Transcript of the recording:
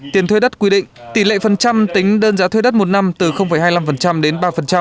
tiền thuê đất quy định tỷ lệ phần trăm tính đơn giá thuê đất một năm từ hai mươi năm đến ba